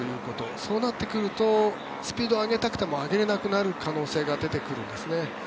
そうなってくるとスピードを上げたくても上げれなくなる可能性が出てくるんです。